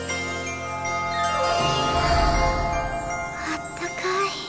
あったかい。